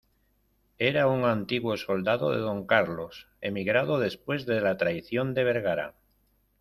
era un antiguo soldado de Don Carlos, emigrado después de la traición de Vergara.